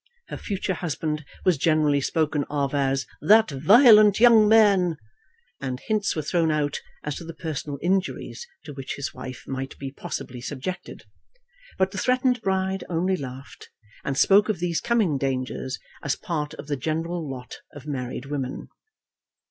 Her future husband was generally spoken of as "that violent young man," and hints were thrown out as to the personal injuries to which his wife might be possibly subjected. But the threatened bride only laughed, and spoke of these coming dangers as part of the general lot of married women.